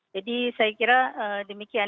jadi saya kira demikian